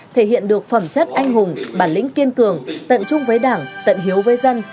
thể hiện được phẩm chất anh hùng bản lĩnh kiên cường tận trung với đảng tận hiếu với dân